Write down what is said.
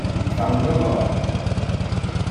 Tɛawneḍ-aɣ.